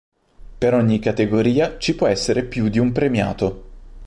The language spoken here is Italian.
Per ogni categoria ci può essere più di un premiato.